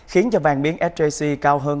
khiến cho vàng miếng sjc cao hơn